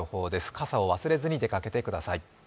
傘を忘れずに出かけてください。